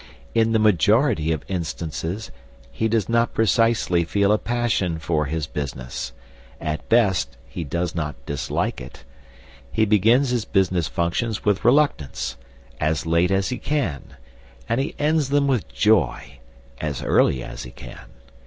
In the majority of instances he does not precisely feel a passion for his business; at best he does not dislike it. He begins his business functions with reluctance, as late as he can, and he ends them with joy, as early as he can.